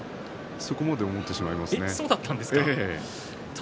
そこまで思ってしまいました。